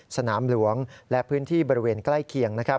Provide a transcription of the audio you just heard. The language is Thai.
สนามหลวงและพื้นที่บริเวณใกล้เคียงนะครับ